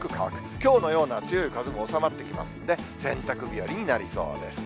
きょうのような強い風も収まってきますんで、洗濯日和になりそうです。